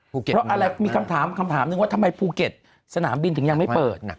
เพราะมีคำถามนึงว่าทำไมภูเก็ตสนามบินถึงยังไม่เปิด